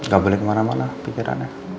gak boleh kemana mana pikirannya